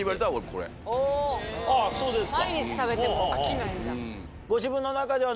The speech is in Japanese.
あっそうですか。